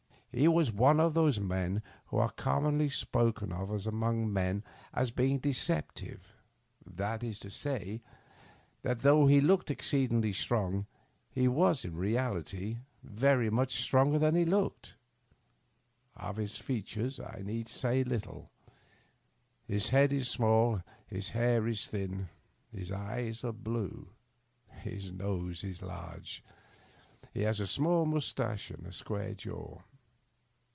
He was one of those men who are commonly spoken of among men as deceptive; that is to say, that though he looked exceedingly strong he was in reality very much stronger than he looked. Of his . features I need say little. His head is small, his hair is thin, his eyes are blue, his nose is large, he has a small mustache, and a square jaw.